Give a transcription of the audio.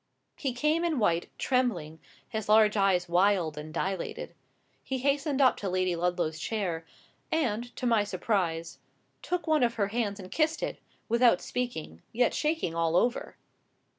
He came in white, trembling, his large eyes wild and dilated. He hastened up to Lady Ludlow's chair, and, to my surprise, took one of her hands and kissed it, without speaking, yet shaking all over.